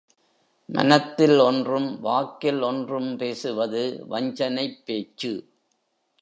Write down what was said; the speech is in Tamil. மனத்தில் ஒன்றும் வாக்கில் ஒன்றும் பேசுவது வஞ்சனைப் பேச்சு.